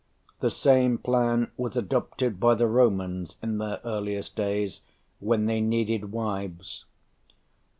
The same plan was adopted by the Romans in their earliest days, when they needed wives.